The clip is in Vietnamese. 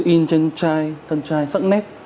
in trên chai thân chai sẵn nét